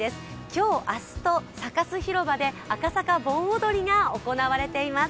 今日、明日とサカス広場で赤坂盆踊りが行われています。